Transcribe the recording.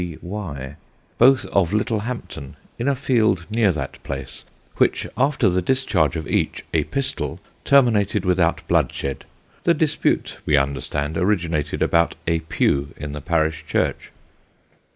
B y, both of Littlehampton, in a field near that place, which, after the discharge of each a pistol, terminated without bloodshed. The dispute, we understand, originated about a pew in the parish church."